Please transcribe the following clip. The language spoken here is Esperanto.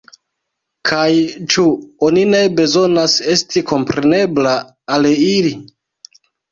Kaj, ĉu oni ne bezonas esti komprenebla al ili?